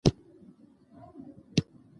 علم کمبود او ټولنیز اغېز